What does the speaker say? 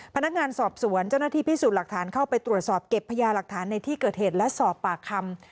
พนักงานสอบสวนเจ้าหน้าที่พิสูจน์หลักฐานเข้าไปตรวจสอบเก็บพยาหลักฐานในที่เกิดเหตุและสอบปากคำ